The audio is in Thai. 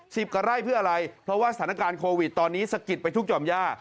สิบกว่าไร่เพื่ออะไรเพราะว่าสถานการณ์โควิดตอนนี้สะกิดไปทุกห่อมย่า